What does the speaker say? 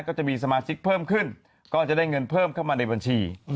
ก็จะมีสมาชิกเพิ่มขึ้นก็จะได้เงินเพิ่มเข้ามาในบัญชี